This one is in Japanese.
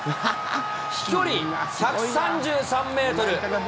飛距離１３３メートル。